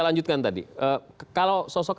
lanjutkan tadi kalau sosok